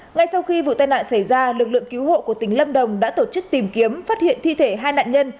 ngay sau khi vụ tai nạn xảy ra lực lượng cứu hộ của tỉnh lâm đồng đã tổ chức tìm kiếm phát hiện thi thể hai nạn nhân